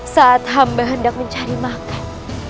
saat hamba hendak mencari makan